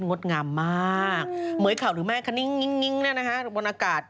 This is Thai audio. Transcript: งดงามมากเหมือยเข่าหรือไม่คณิ้งงิ้งบนอากาศ